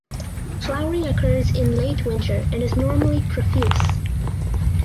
Flowering occurs in late winter and is normally profuse.